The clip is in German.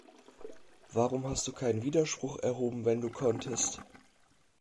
Warum hast du keinen Widerspruch erhoben, wenn du konntest?